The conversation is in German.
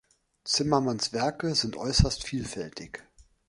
Zimmermanns Werke sind äußerst vielfältig.